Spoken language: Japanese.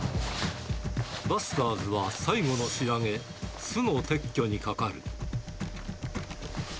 バスターズは最後の仕上げ、巣の撤去にかかる。